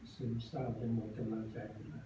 สิ่งสร้างเป็นมัวกำลังใจคุณค่ะ